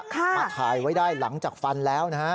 มาถ่ายไว้ได้หลังจากฟันแล้วนะฮะ